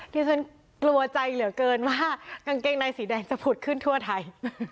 ที่ฉันกลัวใจเหลือเกินว่ากางเกงในสีแดงจะผุดขึ้นทั่วไทย